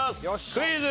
クイズ。